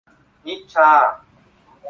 การพัฒนาเศรษฐกิจสังคมของประเทศ